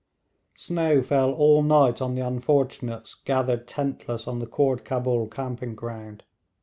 Snow fell all night on the unfortunates gathered tentless on the Khoord Cabul camping ground.